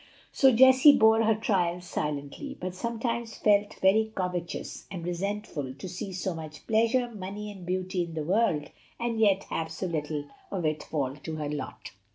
So Jessie bore her trials silently, but sometimes felt very covetous and resentful to see so much pleasure, money, and beauty in the world, and yet have so little of it fall to her lot.